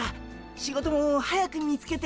仕事も早く見つけて。